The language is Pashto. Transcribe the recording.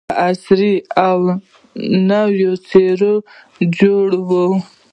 په عصري او نوې څېره جوړه وه.